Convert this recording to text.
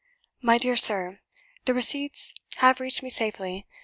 "My dear Sir, The receipts have reached me safely.